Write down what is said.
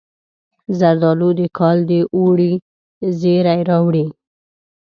زردالو د کال د اوړي زیری راوړي.